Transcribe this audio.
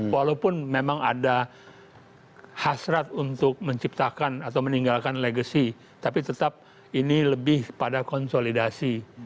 walaupun memang ada hasrat untuk menciptakan atau meninggalkan legacy tapi tetap ini lebih pada konsolidasi